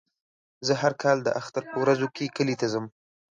زه هر کال د اختر په ورځو کې کلي ته ځم.